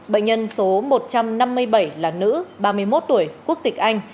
bệnh nhân số một trăm năm mươi bảy là nữ ba mươi một tuổi quốc tịch anh